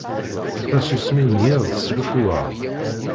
Tasusmi n yiḍ teslufu-aɣ.